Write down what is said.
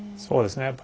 そうですね